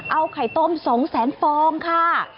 เอาไข่ต้ม๒แสนฟองค่ะ